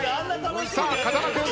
さあ風間君。